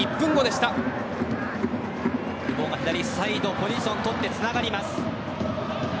久保が左サイドポジションとってつながります。